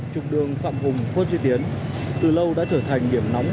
trục đường phạm hùng quốc duy tiến từ lâu đã trở thành điểm nóng